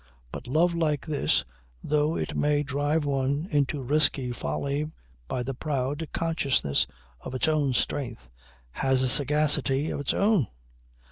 But love like his, though it may drive one into risky folly by the proud consciousness of its own strength, has a sagacity of its own.